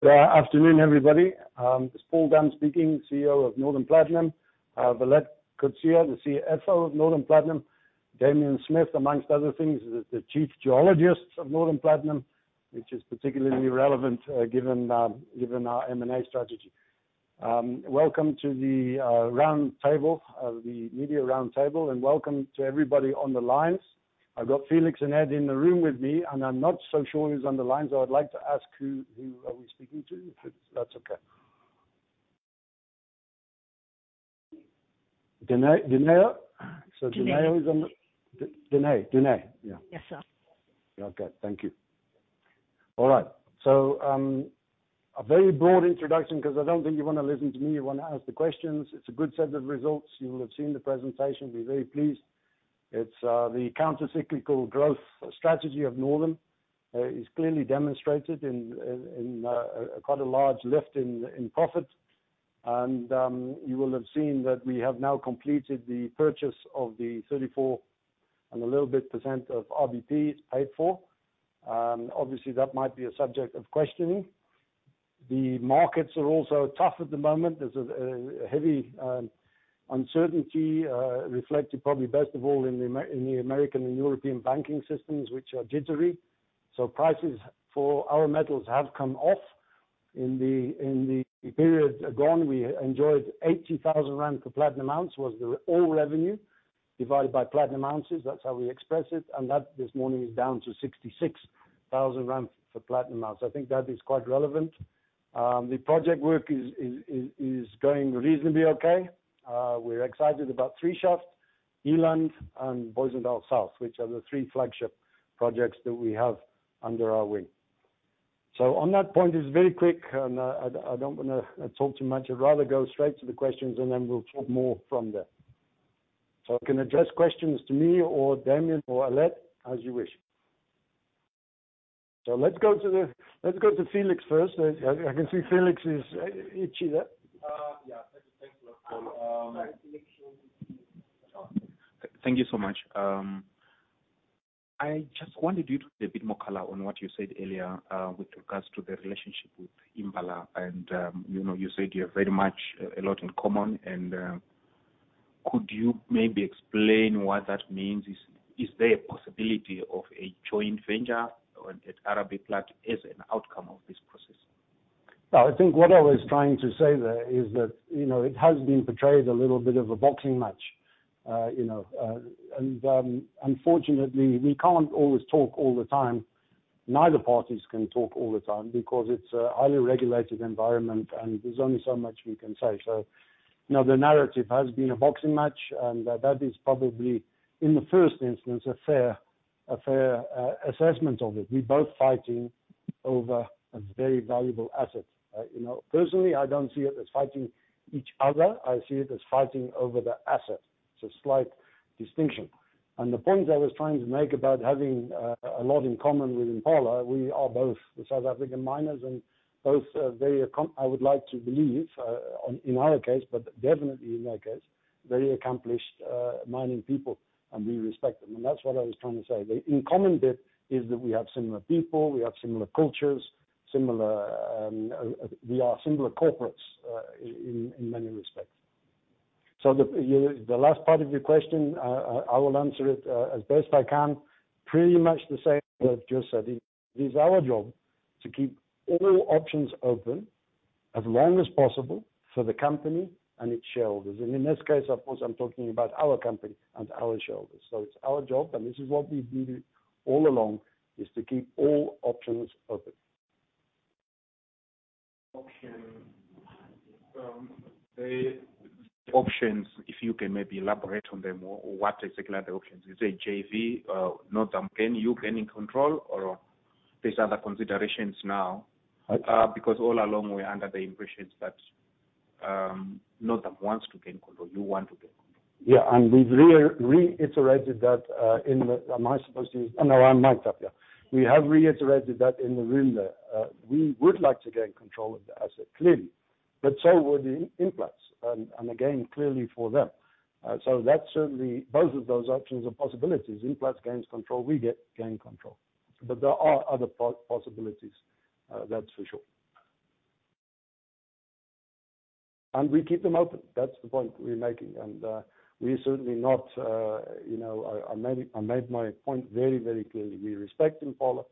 Good afternoon, everybody. It's Paul Dunne speaking, CEO of Northam Platinum. Alet Coetzee, the CFO of Northam Platinum. Damian Smith, amongst other things, is the chief geologist of Northam Platinum, which is particularly relevant, given our M&A strategy. Welcome to the Round Table, the media round table, and welcome to everybody on the lines. I've got Felix and Ed in the room with me, and I'm not so sure who's on the line, so I'd like to ask who are we speaking to, if that's okay. Dineo? Dineo. Dineo is on the... Jena? Yes, sir. Okay. Thank you. All right. A very broad introduction 'cause I don't think you wanna listen to me, you wanna ask the questions. It's a good set of results. You will have seen the presentation, be very pleased. It's the counter cyclical growth strategy of Northam is clearly demonstrated in quite a large lift in profit. You will have seen that we have now completed the purchase of the 34 and a little bit percent of RBP is paid for. Obviously, that might be a subject of questioning. The markets are also tough at the moment. There's a heavy uncertainty reflected probably best of all in the American and European banking systems, which are jittery. Prices for our metals have come off. In the period gone, we enjoyed 80,000 rand for platinum ounce was the all revenue divided by platinum ounces. That's how we express it, and that this morning is down to 66,000 rand for platinum ounce. I think that is quite relevant. The project work is going reasonably okay. We're excited about 3 Shaft, Eland and Booysendal South, which are the three flagship projects that we have under our wing. On that point is very quick and I don't wanna talk too much. I'd rather go straight to the questions, and then we'll talk more from there. I can address questions to me or Damian or Alet as you wish. Let's go to Felix first. I can see Felix is itchy there. Yeah. Thank you, Paul. Sorry. Felix, you're on mute. Thank you so much. I just wondered you'd shed a bit more color on what you said earlier, with regards to the relationship with Impala and, you know, you said you have very much a lot in common. Could you maybe explain what that means? Is there a possibility of a joint venture at RBPlat as an outcome of this process? I think what I was trying to say there is that, you know, it has been portrayed a little bit of a boxing match, you know. Unfortunately, we can't always talk all the time. Neither parties can talk all the time because it's a highly regulated environment and there's only so much we can say. You know, the narrative has been a boxing match, and that is probably, in the first instance, a fair, a fair assessment of it. We're both fighting over a very valuable asset. You know, personally, I don't see it as fighting each other. I see it as fighting over the asset. It's a slight distinction. The point I was trying to make about having a lot in common with Impala, we are both South African miners and both very accomplished mining people, and we respect them. That's what I was trying to say. The in common bit is that we have similar people, similar cultures, similar, we are similar corporates in many respects. The last part of your question, I will answer it as best I can, pretty much the same as I've just said. It is our job to keep all options open as long as possible for the company and its shareholders. In this case, of course, I'm talking about our company and our shareholders. It's our job, and this is what we've been all along, is to keep all options open. The options, if you can maybe elaborate on them or what exactly are the options? Is it JV? Northam, can you gain control or are these other considerations now? Okay. Because all along we're under the impressions that Northam wants to gain control. You want to gain control. Yeah. We've reiterated that. We have reiterated that in the room there. We would like to gain control of the asset, clearly. So would Implats, and again, clearly for them. That's certainly both of those options are possibilities. Implats gains control, we get gain control. There are other possibilities, that's for sure. We keep them open. That's the point we're making. We certainly not, you know... I made my point very, very clearly. We respect Impala.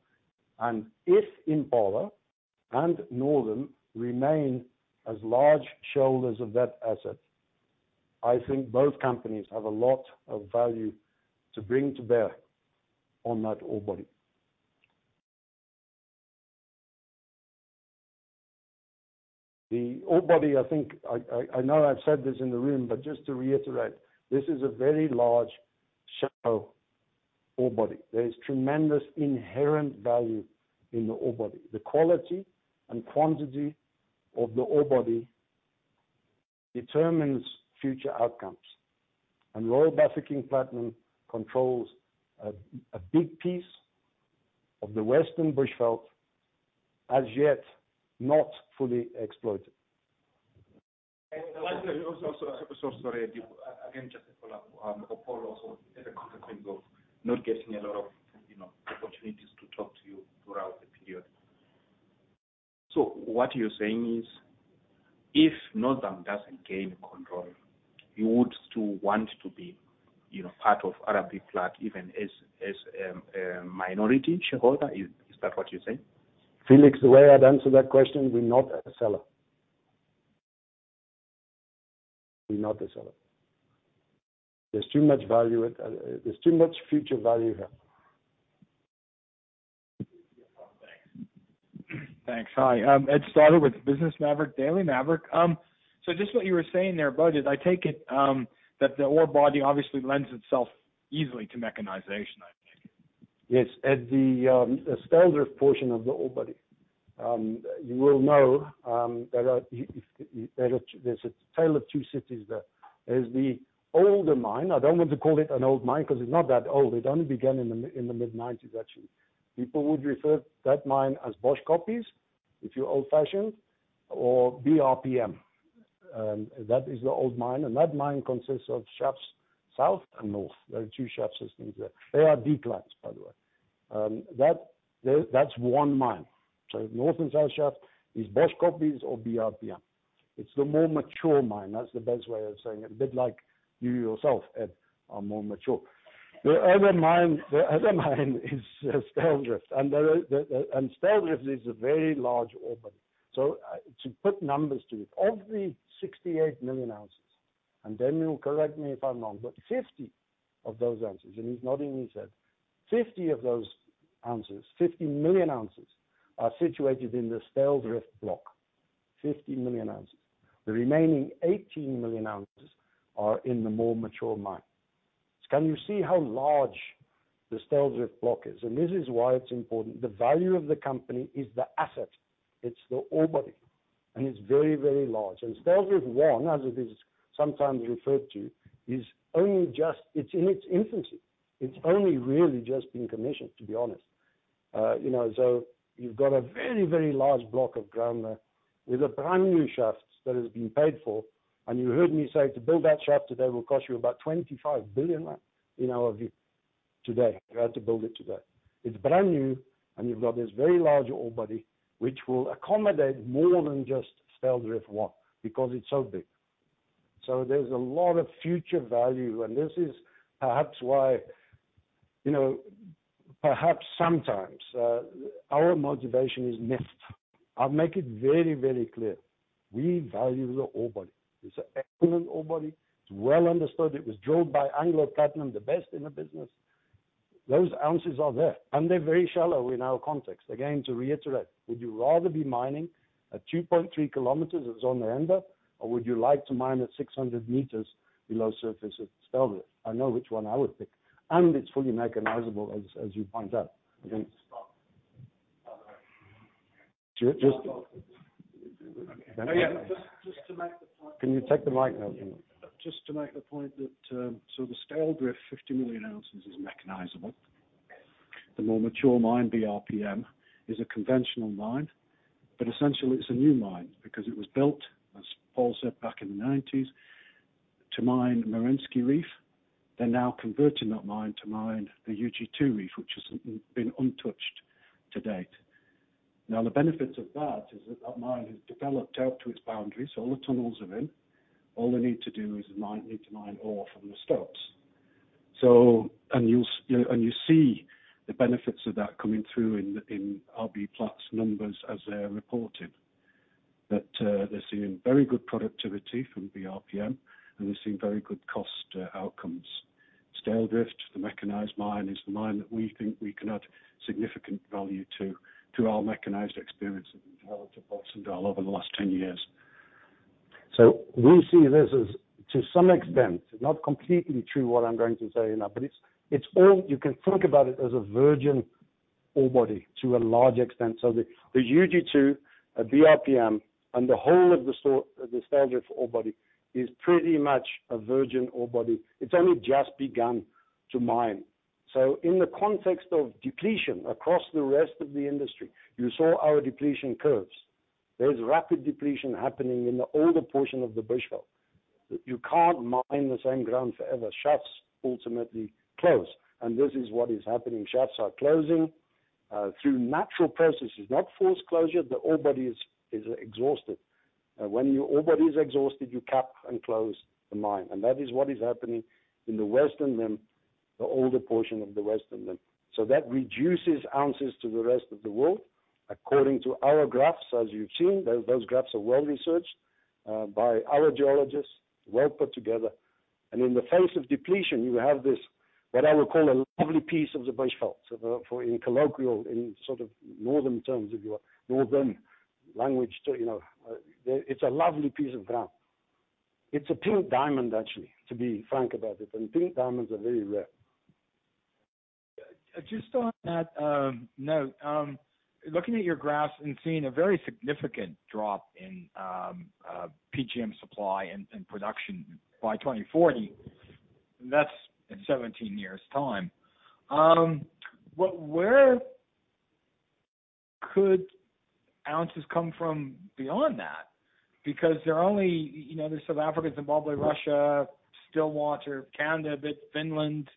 If Impala and Northam remain as large shareholders of that asset, I think both companies have a lot of value to bring to bear on that ore body. The ore body, I think, I know I've said this in the room, but just to reiterate, this is a very large shallow ore body. There is tremendous inherent value in the ore body. The quality and quantity of the ore body determines future outcomes. Royal Bafokeng Platinum controls a big piece of the Western Bushveld, as yet not fully exploited. Sorry, again, just a follow-up. Paul also as a consequence of not getting a lot of, you know, opportunities to talk to you throughout the period. What you're saying is, if Northam doesn't gain control, you would still want to be, you know, part of RBPlat even as a minority shareholder? Is that what you're saying? Felix, the way I'd answer that question, we're not a seller. We're not a seller. There's too much value. There's too much future value here. Okay. Thanks. Hi. Ed Stoddard with Daily Maverick. Just what you were saying there, Bud, is I take it, that the ore body obviously lends itself easily to mechanization, I think? Yes. Ed, the Styldrift portion of the ore body, you will know, if there's a tale of two cities there. There's the older mine. I don't want to call it an old mine because it's not that old. It only began in the mid-1990s actually. People would refer that mine as Boskoppie if you're old fashioned or BRPM, that is the old mine. That mine consists of shafts south and north. There are two shaft systems there. They are declines, by the way. That's one mine. North and south shaft is Boskoppie or BRPM. It's the more mature mine. That's the best way of saying it. A bit like you yourself, Ed, are more mature. The other mine is Styldrift, and Styldrift is a very large ore body. To put numbers to it, of the 68 million ounces, and Damian correct me if I'm wrong, 50 of those ounces, and he's nodding his head. 50 of those ounces, 50 million ounces are situated in the Styldrift block. 50 million ounces. The remaining 18 million ounces are in the more mature mine. Can you see how large the Styldrift block is? This is why it's important. The value of the company is the asset. It's the ore body, and it's very, very large. Styldrift I, as it is sometimes referred to, is in its infancy. It's only really just been commissioned, to be honest. you know, you've got a very, very large block of ground there with a brand new shaft that has been paid for. You heard me say to build that shaft today will cost you about 25 billion, in our view today. You have to build it today. It's brand new, and you've got this very large ore body which will accommodate more than just Styldrift I because it's so big. There's a lot of future value. This is perhaps why, you know, perhaps sometimes, our motivation is missed. I'll make it very, very clear. We value the ore body. It's an excellent ore body. It's well understood. It was drilled by Anglo Platinum, the best in the business. Those ounces are there, and they're very shallow in our context. Again, to reiterate, would you rather be mining at 3.3 kilometers as Zondereinde, or would you like to mine at 600 meters below surface at Styldrift? I know which one I would pick, it's fully mechanizable as you point out. Just to- Just- Just to make the point. Can you take the mic now, Damien? Just to make the point that the Styldrift 50 million ounces is mechanizable. The more mature mine, BRPM, is a conventional mine, essentially it's a new mine because it was built, as Paul said, back in the 1990s to mine Merensky Reef. They're now converting that mine to mine the UG2 Reef, which has been untouched to date. The benefits of that is that that mine has developed out to its boundaries. All the tunnels are in. All they need to do is mine ore from the stops. You'll see the benefits of that coming through in RBPlat's numbers as they're reported, that they're seeing very good productivity from BRPM and they're seeing very good cost outcomes. Styldrift, the mechanized mine, is the mine that we think we can add significant value to our mechanized experience we've developed at Booysendal over the last 10 years. We see this as, to some extent, not completely true what I'm going to say now, but it's all you can think about it as a virgin ore body to a large extent. The UG2, BRPM and the whole of the Styldrift ore body is pretty much a virgin ore body. It's only just begun to mine. In the context of depletion across the rest of the industry, you saw our depletion curves. There's rapid depletion happening in the older portion of the Bushveld. You can't mine the same ground forever. Shafts ultimately close. This is what is happening. Shafts are closing through natural processes, not forced closure. The ore body is exhausted. When your ore body is exhausted, you cap and close the mine. That is what is happening in the Western Limb, the older portion of the Western Limb. That reduces ounces to the rest of the world. According to our graphs, as you've seen, those graphs are well-researched by our geologists, well put together. In the face of depletion, you have this, what I would call a lovely piece of the Bushveld. For in colloquial, in sort of northern terms, if you are northern language to, you know, it's a lovely piece of ground. It's a pink diamond, actually, to be frank about it, and pink diamonds are very rare. Just on that, note, looking at your graphs and seeing a very significant drop in PGM supply and production by 2040, that's in 17 years' time. Where could ounces come from beyond that? Because there are only, you know, there's South Africa, Zimbabwe, Russia, Stillwater, Canada, a bit Finland.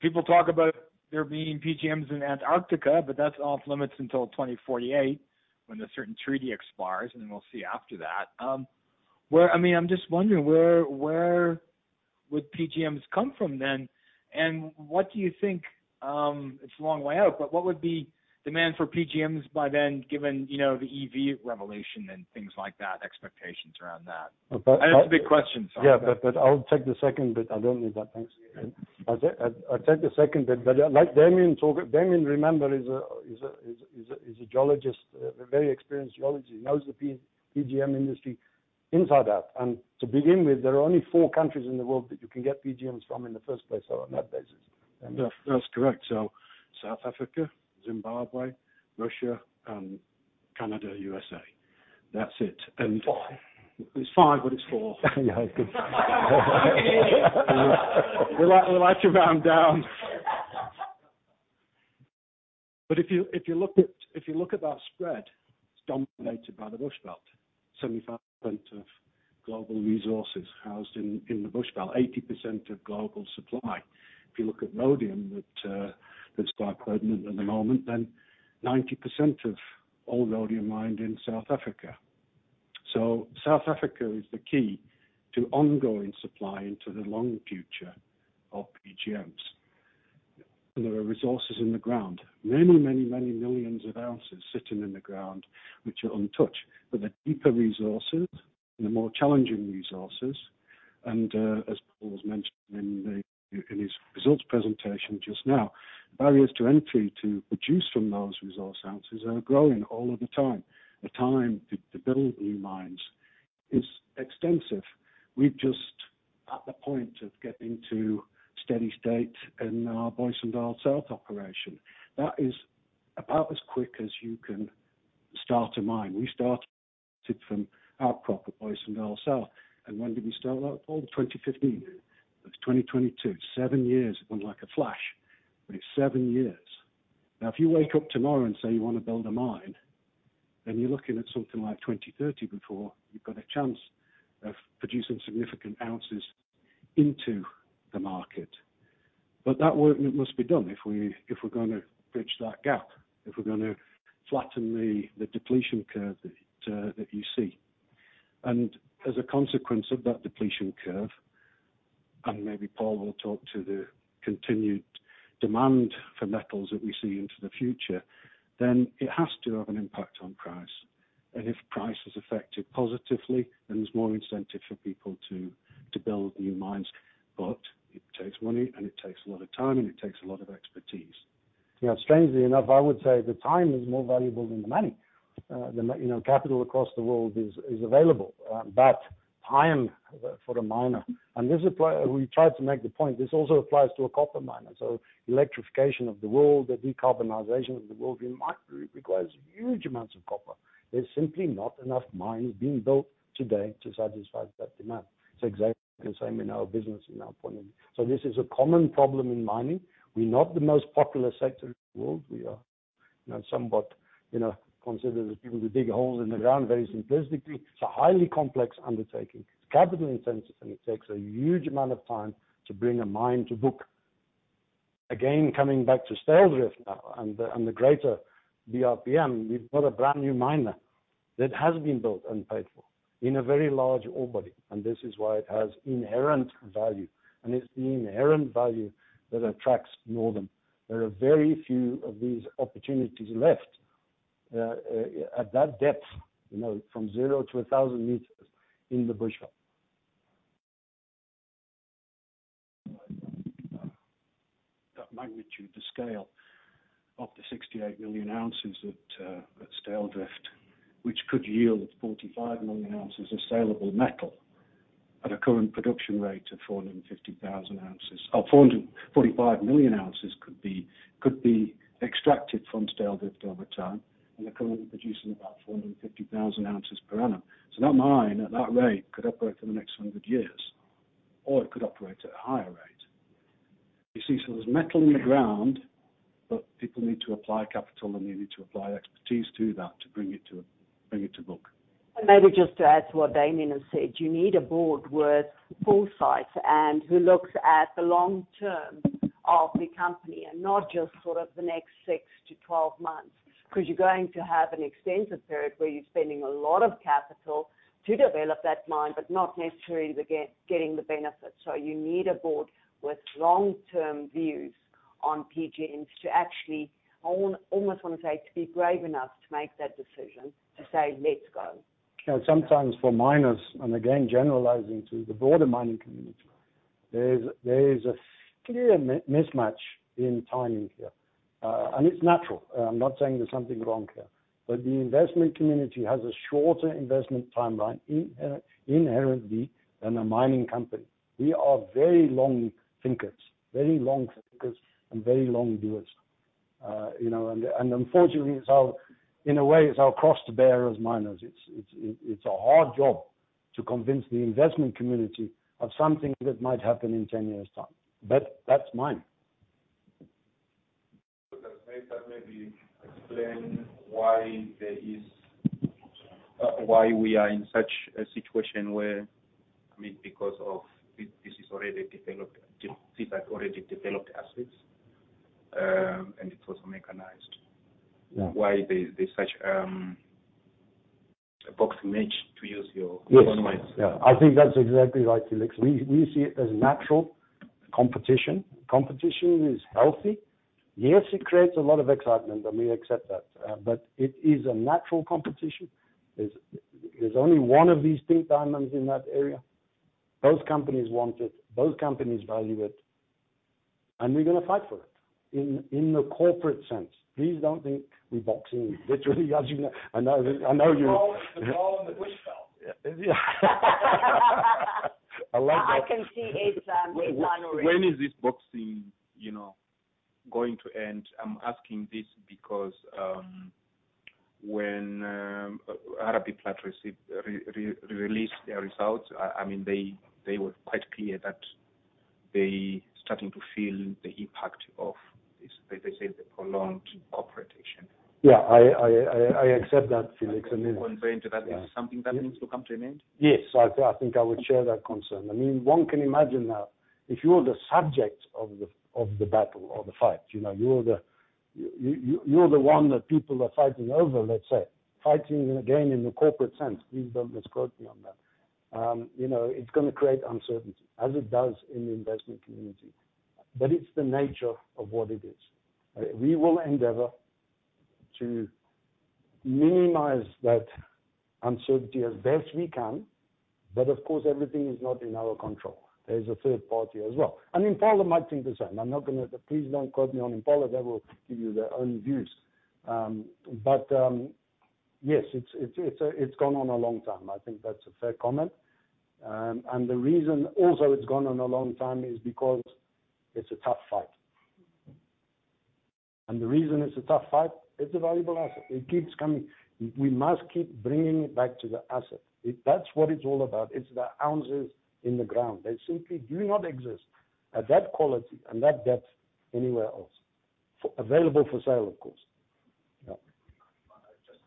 People talk about there being PGMs in Antarctica, but that's off-limits until 2048 when a certain treaty expires, and then we'll see after that. I mean, I'm just wondering where would PGMs come from then? What do you think, it's a long way out, but what would be demand for PGMs by then, given, you know, the EV revelation and things like that, expectations around that? But, but- I know it's a big question, so. Yeah. I'll take the second bit. I don't need that, thanks. I'll take the second bit. Like Damian talked... Damian, remember, is a geologist, a very experienced geologist. He knows the PGM industry inside out. To begin with, there are only fou countries in the world that you can get PGMs from in the first place, so on that basis. That's correct. South Africa, Zimbabwe, Russia, and Canada, USA. That's it. Five. It's five, but it's four. Yeah, good. We like to round down. If you look at that spread, it's dominated by the Bushveld. 75% of global resources housed in the Bushveld. 80% of global supply. If you look at rhodium that's quite pertinent at the moment, 90% of all rhodium mined in South Africa. South Africa is the key to ongoing supply into the long future of PGMs. There are resources in the ground. Many millions of ounces sitting in the ground which are untouched. The deeper resources and the more challenging resources, as Paul was mentioning in his results presentation just now, barriers to entry to produce from those resource ounces are growing all of the time. The time to build new mines is extensive. We're just at the point of getting to steady state in our Booysendal South operation. That is about as quick as you can start a mine. We started from outcrop at Booysendal South. When did we start that, Paul? 2015. It's 2022, seven years. It went like a flash, but it's seven years. If you wake up tomorrow and say you wanna build a mine, you're looking at something like 2030 before you've got a chance of producing significant ounces into the market. That work must be done if we, if we're gonna bridge that gap, if we're gonna flatten the depletion curve that you see. As a consequence of that depletion curve, and maybe Paul will talk to the continued demand for metals that we see into the future, it has to have an impact on price. If price is affected positively, there's more incentive for people to build new mines. It takes money, and it takes a lot of time, and it takes a lot of expertise. You know, strangely enough, I would say the time is more valuable than the money. You know, capital across the world is available, but time for the miner. We tried to make the point, this also applies to a copper miner. Electrification of the world, the decarbonization of the world requires huge amounts of copper. There's simply not enough mines being built today to satisfy that demand. It's exactly the same in our business, in our point of view. This is a common problem in mining. We're not the most popular sector in the world. We are, you know, somewhat, you know, considered as people who dig holes in the ground very simplistically. It's a highly complex undertaking. It's capital intensive, and it takes a huge amount of time to bring a mine to book. Coming back to Styldrift now and the greater BRPM, we've got a brand-new mine that has been built and paid for in a very large ore body, and this is why it has inherent value. It's the inherent value that attracts Northam. There are very few of these opportunities left at that depth, you know, from zero to 1,000 meters in the Bushveld. That magnitude, the scale of the 68 million ounces at Styldrift, which could yield 45 million ounces of saleable metal at a current production rate of 450,000 ounces, or 445 million ounces could be extracted from Styldrift over time, and they're currently producing about 450,000 ounces per annum. That mine, at that rate, could operate for the next 100 years, or it could operate at a higher rate. You see, there's metal in the ground, but people need to apply capital, and they need to apply expertise to that to bring it to book. Maybe just to add to what Damian has said, you need a board with foresight and who looks at the long term of the company and not just sort of the next six to 12 months. 'Cause you're going to have an extensive period where you're spending a lot of capital to develop that mine, but not necessarily getting the benefit. You need a board with long-term views on PGMs to actually almost wanna say, to be brave enough to make that decision, to say, "Let's go". You know, sometimes for miners, and again, generalizing to the broader mining community, there is a clear mismatch in timing here. It's natural. I'm not saying there's something wrong here. The investment community has a shorter investment timeline inherently than a mining company. We are very long thinkers and very long doers. You know, and unfortunately, in a way, it's our cross to bear as miners. It's a hard job. To convince the investment community of something that might happen in 10 years' time. That's mine. That maybe explain why we are in such a situation where, I mean, because of this is already developed, these are already developed assets, and it's also mechanized. Yeah. Why there's such a boxing match to use your own words. Yes. Yeah, I think that's exactly right, Felix. We see it as natural competition. Competition is healthy. Yes, it creates a lot of excitement, and we accept that, but it is a natural competition. There's only one of these pink diamonds in that area. Both companies want it, both companies value it, and we're gonna fight for it, in the corporate sense. Please don't think we're boxing literally, as you know. I know you- The ball in the wish file. Yeah. I like that. Yeah, I can see it's on already. When is this boxing, you know, going to end? I'm asking this because, when RBPlat released their results, I mean, they were quite clear that they starting to feel the impact of this. They say the prolonged cooperation. Yeah. I accept that, Felix. Are you convinced that this is something that needs to come to an end? Yes. I think I would share that concern. I mean, one can imagine that if you're the subject of the, of the battle or the fight, you know, you're the one that people are fighting over, let's say, fighting again in the corporate sense. Please don't misquote me on that. you know, it's gonna create uncertainty, as it does in the investment community. It's the nature of what it is. We will endeavor to minimize that uncertainty as best we can, but of course, everything is not in our control. There is a third party as well. Impala might think the same. I'm not gonna... please don't quote me on Impala, they will give you their own views. but, yes, it's, it's gone on a long time. I think that's a fair comment. The reason also it's gone on a long time is because it's a tough fight. The reason it's a tough fight, it's a valuable asset. It keeps coming. We must keep bringing it back to the asset. That's what it's all about. It's the ounces in the ground. They simply do not exist at that quality and that depth anywhere else. For available for sale, of course. Yeah. Just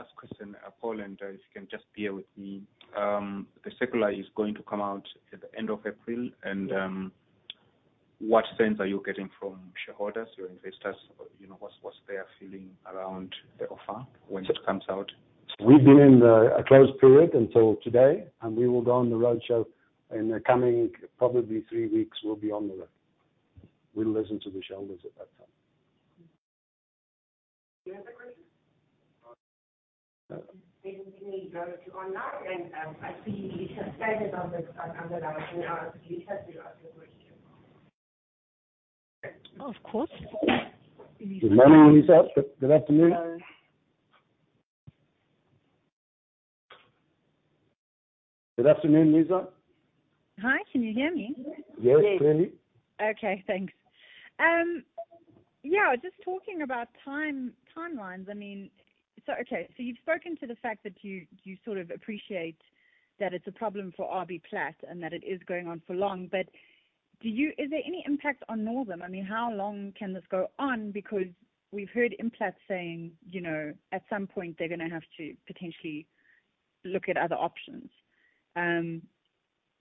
last question, Paul, if you can just bear with me. The circular is going to come out at the end of April. What sense are you getting from shareholders, your investors, you know, what's their feeling around the offer when it comes out? We've been in a closed period until today. We will go on the roadshow in the coming probably three weeks we'll be on the road. We'll listen to the shareholders at that time. Any other questions? Maybe we need to go to online. I see Lisa Steyn on the line. Lisa, do you have your question? Of course. Good morning, Lisa. Good afternoon. Good afternoon, Lisa. Hi. Can you hear me? Yes, clearly. Thanks. Yeah, just talking about time, timelines, I mean... You've spoken to the fact that you sort of appreciate that it's a problem for RBPlat and that it is going on for long. Is there any impact on Northam? I mean, how long can this go on? We've heard Implat saying, you know, at some point they're gonna have to potentially look at other options.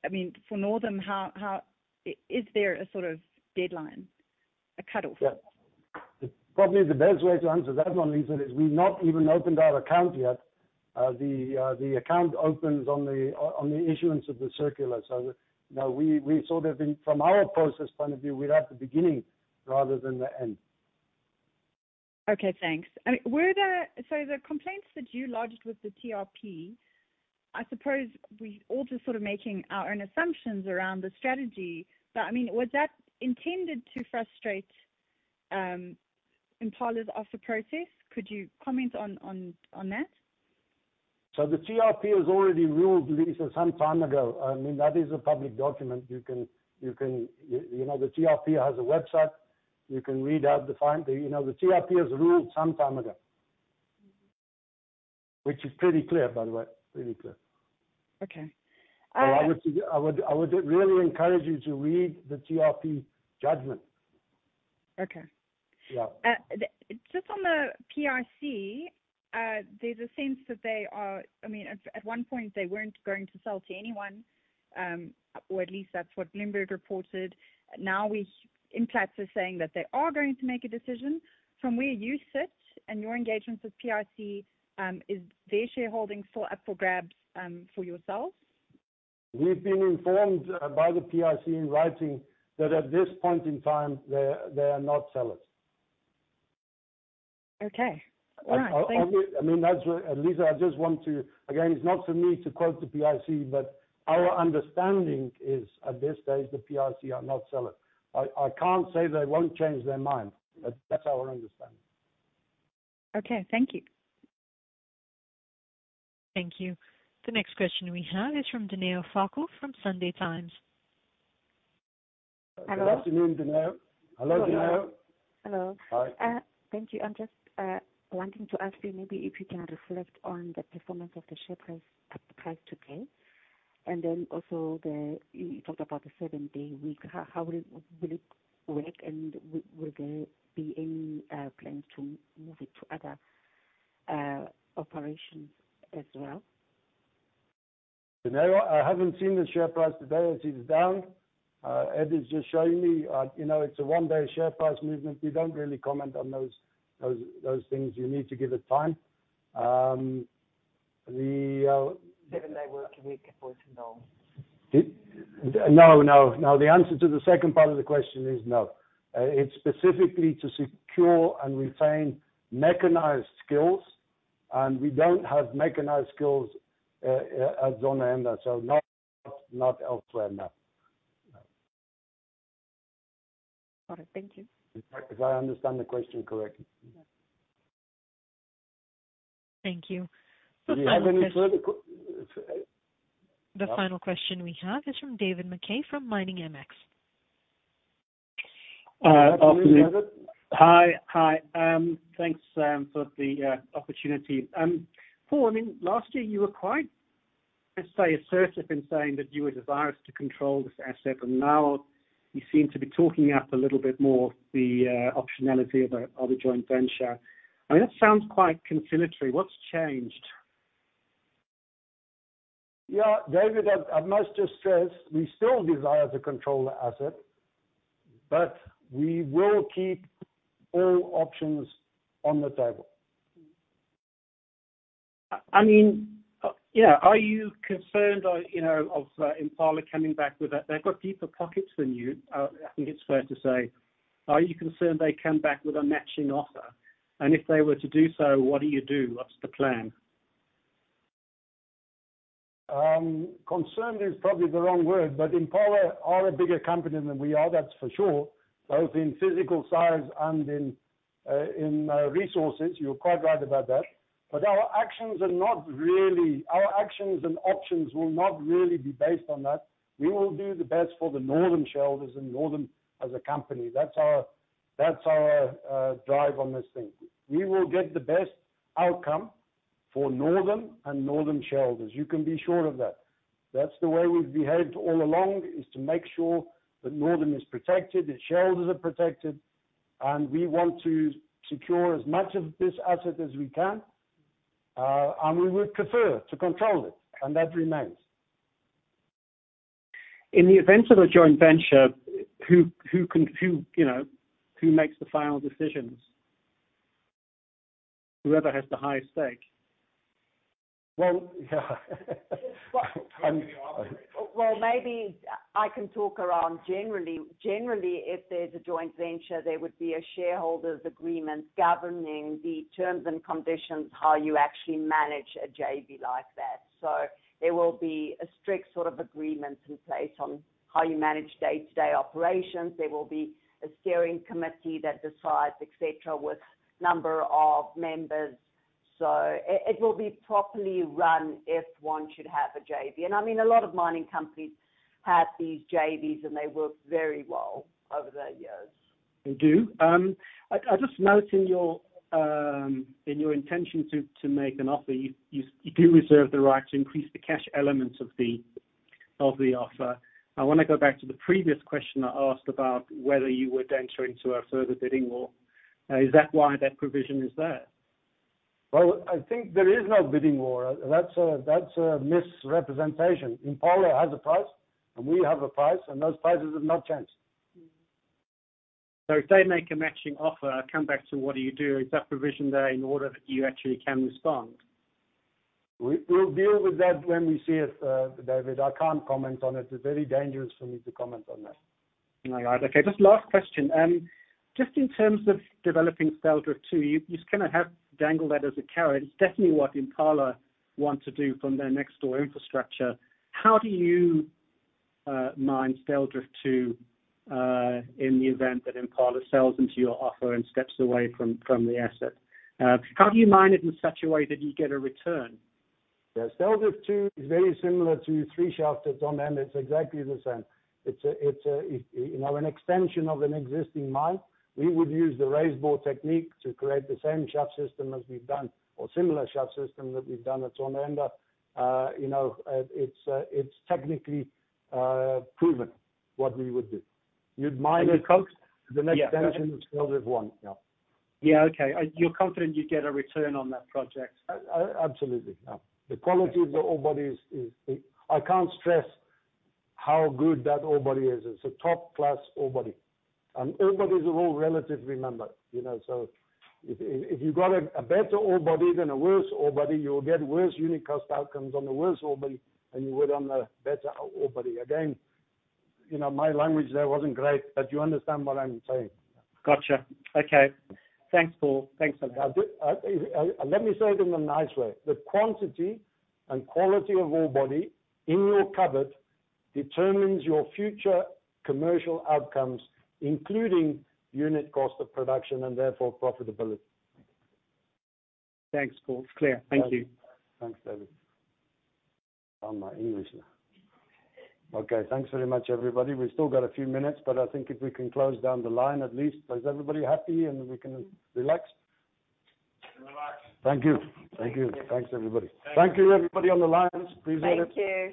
I mean, for Northam, is there a sort of deadline? A cutoff? Yeah. Probably the best way to answer that one, Lisa, is we've not even opened our account yet. The account opens on the issuance of the circular. You know, we sort of been from our process point of view, we're at the beginning rather than the end. Okay, thanks. The complaints that you lodged with the TRP, I suppose we all just sort of making our own assumptions around the strategy. I mean, was that intended to frustrate Impala's offer process? Could you comment on that? The TRP has already ruled, Lisa, some time ago. I mean, that is a public document. You can. You know, the TRP has a website. You can read out the find. You know, the TRP has ruled some time ago. Which is pretty clear, by the way. Really clear. Okay. I would really encourage you to read the TRP judgment. Okay. Yeah. Just on the PIC, there's a sense that they are. I mean, at one point they weren't going to sell to anyone, or at least that's what Bloomberg reported. Implats are saying that they are going to make a decision. From where you sit and your engagements with PIC, is their shareholding still up for grabs for yourselves? We've been informed by the PIC in writing that at this point in time, they are not sellers. Okay. All right. Thank you. I mean, that's what Lisa, I just want to. Again, it's not for me to quote the PIC, but our understanding is, at this stage, the PIC are not sellers. I can't say they won't change their mind, but that's our understanding. Okay. Thank you. Thank you. The next question we have is from Dineo Faku from Sunday Times. Hello. Good afternoon, Dineo. Hello, Dineo. Hello. Hi. Thank you. I'm just wanting to ask you maybe if you can reflect on the performance of the share price today, and also you talked about the seven-day week. How will it work, and will there be any plans to move it to other operations as well? Dineo, I haven't seen the share price today. It is down. Ed is just showing me. you know, it's a one-day share price movement. We don't really comment on those things. You need to give it time. Seven-day working week. No, no. The answer to the second part of the question is no. It's specifically to secure and retain mechanized skills, and we don't have mechanized skills at Zondereinde. Not elsewhere, no. All right, thank you. If I understand the question correctly. Thank you. Do we have any further? The final question we have is from David McKay from Miningmx. Afternoon, David. Hi. Hi. Thanks for the opportunity. Paul, I mean, last year you were quite, let's say, assertive in saying that you were desirous to control this asset, and now you seem to be talking up a little bit more the optionality of a joint venture. I mean, that sounds quite conciliatory. What's changed? Yeah, David, I must just stress we still desire to control the asset, but we will keep all options on the table. I mean, yeah, are you concerned, you know, of Impala coming back with that? They've got deeper pockets than you, I think it's fair to say. Are you concerned they come back with a matching offer? If they were to do so, what do you do? What's the plan? Concerned is probably the wrong word, but Impala are a bigger company than we are, that's for sure, both in physical size and in resources. You're quite right about that. Our actions and options will not really be based on that. We will do the best for the Northam shareholders and Northam as a company. That's our drive on this thing. We will get the best outcome for Northam and Northam shareholders. You can be sure of that. That's the way we've behaved all along, is to make sure that Northam is protected, its shareholders are protected, and we want to secure as much of this asset as we can, and we would prefer to control it, and that remains. In the event of a joint venture, who can, you know, who makes the final decisions? Whoever has the highest stake? Well, yeah. Well, maybe I can talk around generally. Generally, if there's a joint venture, there would be a shareholders agreement governing the terms and conditions, how you actually manage a JV like that. There will be a strict sort of agreement in place on how you manage day-to-day operations. There will be a steering committee that decides etc. with number of members. It will be properly run if one should have a JV. I mean, a lot of mining companies have these JVs, and they work very well over the years. They do. I just note in your intention to make an offer, you do reserve the right to increase the cash elements of the offer. I wanna go back to the previous question I asked about whether you would enter into a further bidding war. Now, is that why that provision is there? I think there is no bidding war. That's a misrepresentation. Impala has a price, and we have a price, and those prices have not changed. If they make a matching offer, come back to what do you do, is that provision there in order that you actually can respond? We'll deal with that when we see it, David. I can't comment on it. It's very dangerous for me to comment on that. All right. Okay, just last question. Just in terms of developing Styldrift II, you kinda have dangled that as a carrot. It's definitely what Impala want to do from their next door infrastructure. How do you mine Styldrift II in the event that Impala sells into your offer and steps away from the asset? How do you mine it in such a way that you get a return? The Styldrift II is very similar to 3 Shaft at Zondereinde. It's a, you know, an extension of an existing mine. We would use the raise bore technique to create the same Shaft system as we've done or similar Shaft system that we've done at Zondereinde. You know, it's technically proven what we would do. You'd mine it The cost? The next extension of Styldrift One, yeah. Yeah. Okay. You're confident you'd get a return on that project? Absolutely, yeah. The quality of the ore body is. I can't stress how good that ore body is. It's a top-class ore body. Ore bodies are all relative, remember. You know, if you got a better ore body than a worse ore body, you'll get worse unit cost outcomes on the worse ore body than you would on a better ore body. Again, you know, my language there wasn't great. You understand what I'm saying. Gotcha. Okay. Thanks, Paul. Thanks. Let me say it in a nice way. The quantity and quality of ore body in your cupboard determines your future commercial outcomes, including unit cost of production and therefore profitability. Thanks, Paul. It's clear. Thank you. Thanks, David. On my English now. Okay, thanks very much, everybody. We've still got a few minutes, but I think if we can close down the line at least. Is everybody happy and we can relax? We can relax. Thank you. Thank you. Thanks, everybody. Thank you, everybody on the lines. Appreciate it. Thank you.